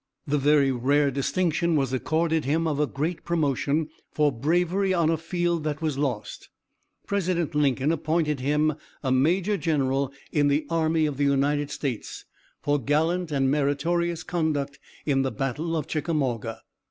The very rare distinction was accorded him of a great promotion for bravery on a field that was lost. President Lincoln appointed him a Major General in the Army of the United States, for gallant and meritorious conduct in the battle of Chickamauga.